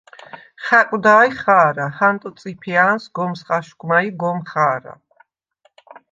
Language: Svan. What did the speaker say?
“ხა̈კვდა̄-ჲ ხა̄რა! ჰანტო წიფია̄ნს გომს ხაშგვმა ი გომ ხა̄რა!”